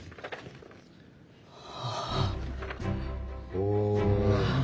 お。